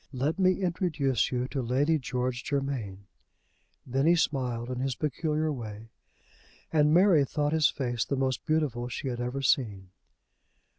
Let me introduce you to Lady George Germain." Then he smiled in his peculiar way, and Mary thought his face the most beautiful she had ever seen.